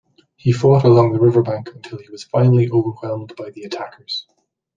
He fought along the riverbank until he was finally overwhelmed by the attackers.